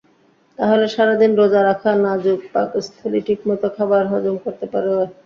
তাহলে সারা দিন রোজা রাখা নাজুক পাকস্থলী ঠিকমতো খাবার হজম করতে পারবে।